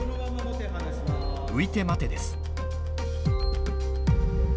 浮いて待てです。